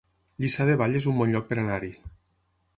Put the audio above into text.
Lliçà de Vall es un bon lloc per anar-hi